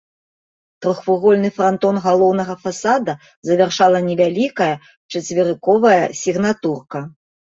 Трохвугольны франтон галоўнага фасада завяршала невялікая чацверыковая сігнатурка.